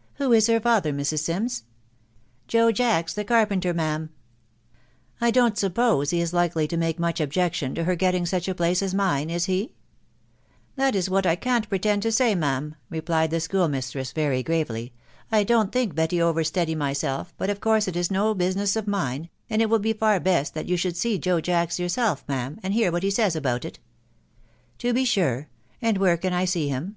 " Who is her father, Mrs. Sims ?*—" Joe Jacks the car penter, ma'am/' <€ I don't suppose he is likely to make much objection to her getting such a place as mine, is he ?" rr That is what I can't pretend to say, ma'am xe\JV\fe& ^va ce fBEt WIDOW BARNABY. 83 schoolmistress very gravely .... I don't think Betty over steady myself, but of course it is no business of mine, and it will be far best that you should see Joe Jacks yourself, ma'am, and hear what he says about it." " To be sure ;.... and where can I see him